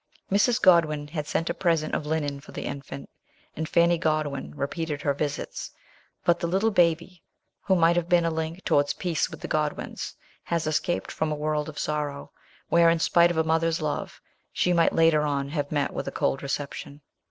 Mrs. Godwin had sent a present of linen for the infant, and Fanny Godwin repeated her visits ; but the little baby, who might have been a link towards peace with the Godwins, has escaped from a world of sorrow, where, in spite of a mother's love, she might later on have met with a cold reception.